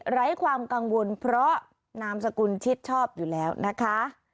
ไร้ความกังวลเพราะนามสกุลชิดชอบอยู่แล้วนะคะ